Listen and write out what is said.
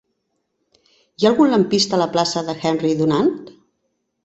Hi ha algun lampista a la plaça d'Henry Dunant?